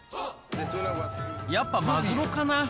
やっぱマグロかな。